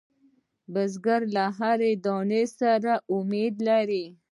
بزګر له هر دانې سره امید لري